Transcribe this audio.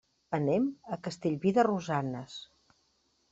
Anem a Castellví de Rosanes.